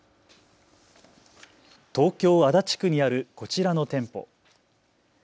東京足立区にあるこちらの店舗。